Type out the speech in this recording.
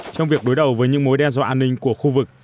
trong việc đối đầu với những mối đe dọa an ninh của khu vực